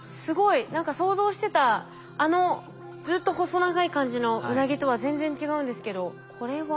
何か想像してたあのずっと細長い感じのウナギとは全然違うんですけどこれは？